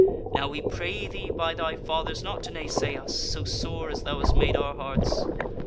Now we pray thee by thy fathers not to naysay us, so sore as thou hast made our hearts.